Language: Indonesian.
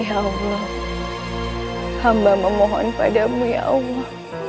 ya allah hamba memohon padamu ya allah